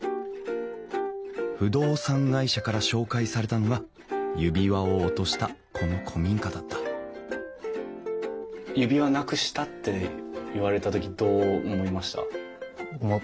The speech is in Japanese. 不動産会社から紹介されたのが指輪を落としたこの古民家だった指輪なくしたって言われた時どう思いました？